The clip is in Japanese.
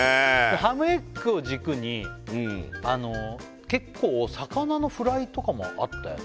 ハムエッグを軸に結構魚のフライとかもあったよね